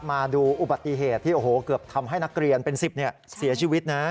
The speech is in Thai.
มาดูอุบัติเหตุที่โอ้โหเกือบทำให้นักเรียนเป็น๑๐เสียชีวิตนะ